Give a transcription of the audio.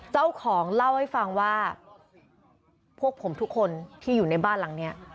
เจ้าของเล่าให้ฟังว่าพวกผมทุกคนที่อยู่ในบ้านหลังนี้